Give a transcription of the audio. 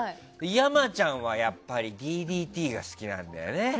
山ちゃんはやっぱりＤＤＴが好きなのよね。